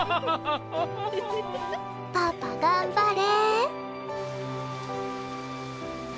・パパ頑張れ。